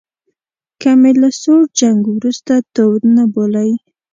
که مې له سوړ جنګ وروسته تود نه بولئ.